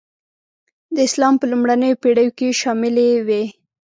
د اسلام په لومړنیو پېړیو کې شاملي وې.